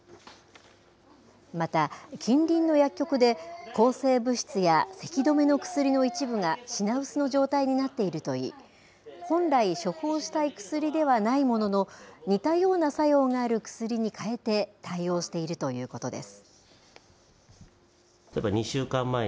また、近隣の薬局で、抗生物質やせき止めの薬の一部が品薄の状態になっているといい、本来処方したい薬ではないものの、似たような作用がある薬に変えて対応しているということです。